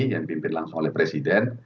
yang dipimpin langsung oleh presiden